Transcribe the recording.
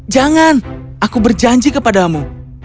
jangan aku berjanji kepadamu